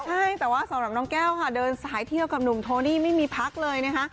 ใช่แต่ว่าสำหรับน้องแก้วค่ะเดินสายเที่ยวกับหนุ่มโทนี่ไม่มีพักเลยนะคะ